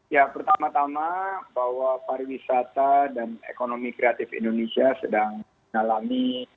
ya pertama tama bahwa pariwisata dan ekonomi kreatif indonesia sedang dalami